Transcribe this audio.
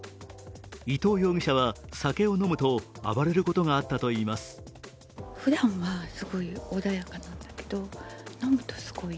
伊藤容疑者は、酒を飲むと暴れることがあったといいます。